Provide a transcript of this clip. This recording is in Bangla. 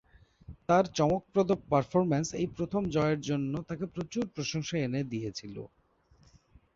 তার চমকপ্রদ পারফরম্যান্স এই প্রথম জয়ের জন্য তাকে প্রচুর প্রশংসা এনে দিয়েছিল।